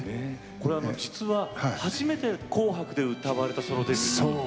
これ実は初めて「紅白」で歌われたソロデビューというふうに。